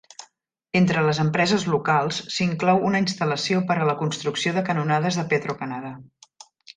Entre les empreses locals, s'inclou una instal·lació per a la construcció de canonades de Petro-Canada.